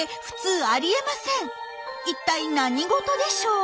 一体何事でしょう？